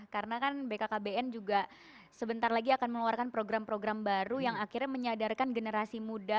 karena kan bkkbn juga sebentar lagi akan mengeluarkan program program baru yang akhirnya menyadarkan generasi muda